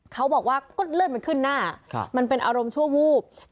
เขาบอกว่าก็เลือดมันขึ้นหน้ามันเป็นอารมณ์ชั่ววูบ